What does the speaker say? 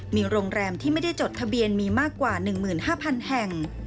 มีโรงแรมที่ไม่ได้จดทะเบียนมีมากกว่า๑๕๐๐๐แห่ง